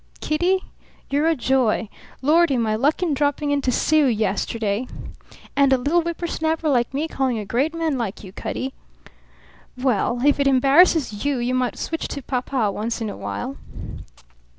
"Kitty, you're a joy! Lordy, my luck in dropping in to see you yesterday!" "And a little whippersnapper like me calling a great man like you Cutty!" "Well, if it embarrasses you, you might switch to papa once in a while."